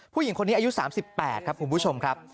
ผู้หญิงคนนี้อายุ๓๘ครับคุณผู้ชมครับ